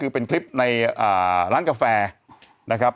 เป็นคลิปในร้านกาแฟนะครับ